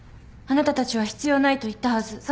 「あなたたちは必要ない」と言ったはず。